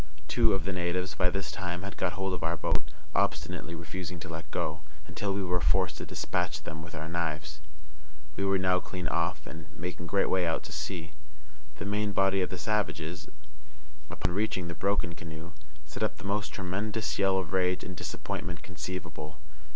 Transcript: Two of the natives by this time had got hold of our boat, obstinately refusing to let go, until we were forced to despatch them with our knives. We were now clear off, and making great way out to sea. The main body of the savages, upon reaching the broken canoe, set up the most tremendous yell of rage and disappointment conceivable.